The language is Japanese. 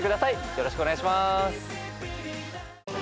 よろしくお願いします。